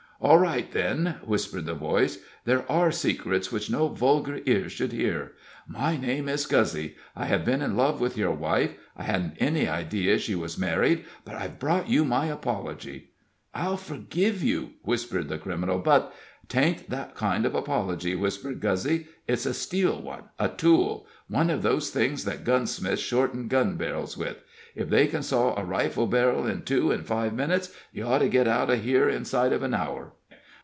"All right, then," whispered the voice. "There are secrets which no vulgar ears should hear. My name is Guzzy. I have been in love with your wife. I hadn't any idea she was married; but I've brought you my apology." "I'll forgive you," whispered the criminal; "but " "'Tain't that kind of apology," whispered Guzzy. "It's a steel one a tool one of those things that gunsmiths shorten gun barrels with. If they can saw a rifle barrel in two in five minutes, you ought to get out of here inside of an hour."